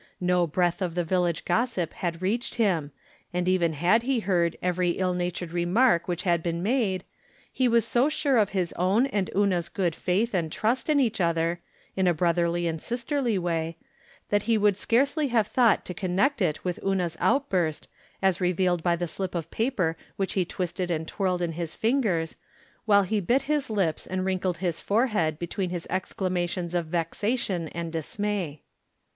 No breath of the village gossip had reached him, and even had he heard every ill natured remark which had been made he was so sure of liis own and Una's good faith and trust in each other, in a brotherly and sisterly way, that he would scarcelv have thouHit to connect it with Una's outburst, as revealed by the slip of paper which he twisted and twirled in his fin gers, while he bit his lips and wrinkled his fore head between his exclamations of vexation and dismay.